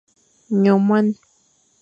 Nyu mon.